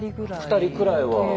２人くらいは。